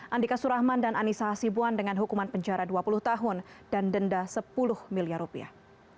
andika surahman dan anissa hasibuan dengan hukuman penjara dua puluh tahun dan denda sepuluh miliar rupiah